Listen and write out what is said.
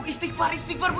istighfar itu bahaya ibu